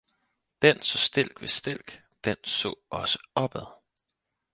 Den så stilk ved stilk, den så også opad!